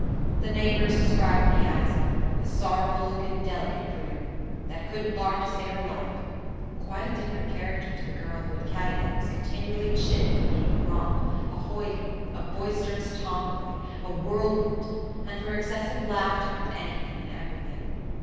The neighbours described me as "a sorrowful lookin' delicate creetur', that couldn't larf to save her life" quite a different character to the girl who at Caddagat was continually chid for being a romp, a hoyden, a boisterous tomboy, a whirlwind, and for excessive laughter at anything and everything.